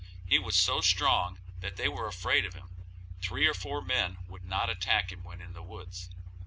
He was so strong that they were afraid of him; three or four men would not attack him when in the woods.